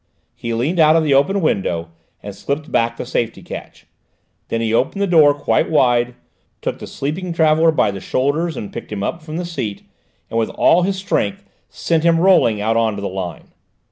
He leaned out of the open window and slipped back the safety catch. Then he opened the door quite wide, took the sleeping traveller by the shoulders and picked him up from the seat, and with all his strength sent him rolling out on to the line!